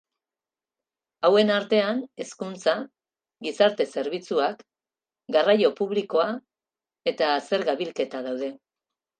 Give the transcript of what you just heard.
Hauen artean hezkuntza, gizarte zerbitzuak, garraio publikoa eta zerga-bilketa daude.